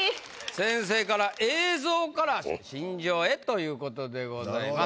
先生から「映像から心情へ」という事でございます。